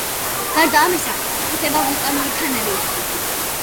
გარდა ამისა, გვხვდება ვულკანური ქანები.